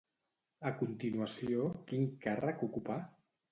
A continuació, quin càrrec ocupà?